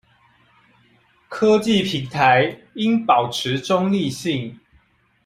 科技平台應保持中立性